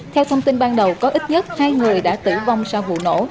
theo thông tin ban đầu có ít nhất hai người đã tử vong sau vụ nổ